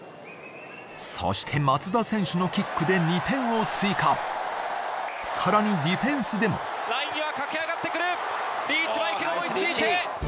そして松田選手のキックで２点を追加さらにディフェンスでもライン際駆け上がってくるリーチマイケル追い付いて。